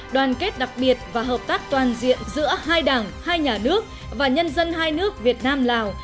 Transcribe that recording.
đoàn kết đặc biệt và hợp tác toàn diện giữa hai đảng hai nhà nước và nhân dân hai nước việt nam lào